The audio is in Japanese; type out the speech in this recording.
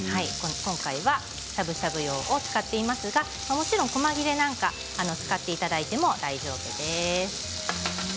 今回はしゃぶしゃぶ用を使っていますがこま切れなんかを使っていただいても大丈夫です。